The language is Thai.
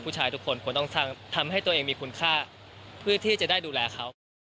ผู้ชายทุกคนควรต้องทำให้ตัวเองมีคุณค่าเพื่อที่จะได้ดูแลเขา